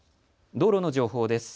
道路の情報です。